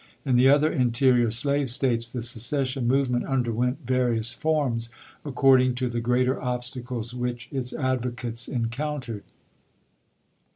In the other interior slave States the secession movement underwent various forms, according to the greater obstacles which its advocates encountered.